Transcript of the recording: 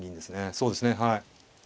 そうですねはい。